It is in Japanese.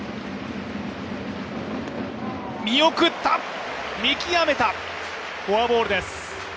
見送った、見極めた、フォアボールです。